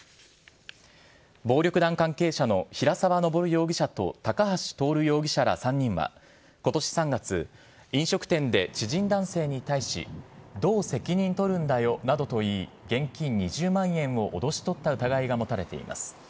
暴力団関係者の平沢昇容疑者と高橋亨容疑者ら３人は、ことし３月、飲食店で知人男性に対し、どう責任取るんだよなどと言い、現金２０万円を脅し取った疑いが持たれています。